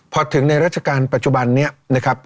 พอถึงในราชการปัจจุบันนี้นะครับ